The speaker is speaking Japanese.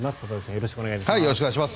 よろしくお願いします。